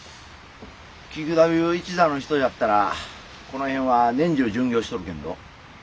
菊太夫一座の人じゃったらこの辺は年中巡業しとるけんど。